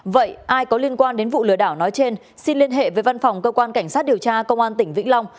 vậy ai có liên quan đến vụ lừa đảo nói trên xin liên hệ với văn phòng cơ quan cảnh sát điều tra công an tỉnh vĩnh long